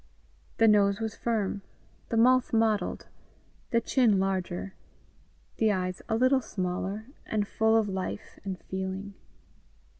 The nose was firm, the mouth modelled, the chin larger, the eyes a little smaller, and full of life and feeling.